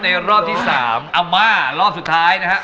รอบที่๓อาม่ารอบสุดท้ายนะฮะ